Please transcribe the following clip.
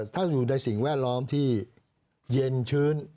ถ้าอยู่ในสิ่งแวดล้อมที่เย็นชื้น